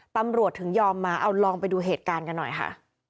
ตำรวจถึงยอมมาเอาลองไปดูเหตุการณ์กันหน่อยค่ะ